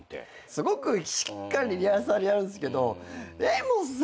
すごくしっかりリハーサルやるんすけど柄本さん